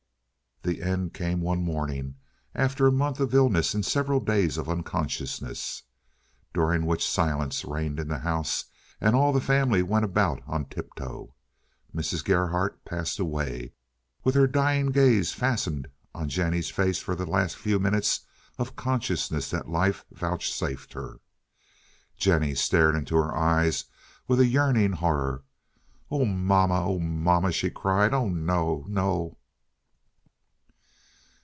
The end came one morning after a month of illness and several days of unconsciousness, during which silence reigned in the house and all the family went about on tiptoe. Mrs. Gerhardt passed away with her dying gaze fastened on Jennie's face for the last few minutes of consciousness that life vouchsafed her. Jennie stared into her eyes with a yearning horror. "Oh, mamma! mamma!" she cried. "Oh no, no!"